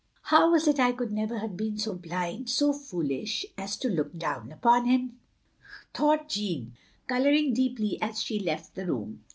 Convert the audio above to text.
" How was it I could ever have been so blind — so foolish — ^as to look down upon him ?'* thought Jeanne, colouring deeply as she left the room.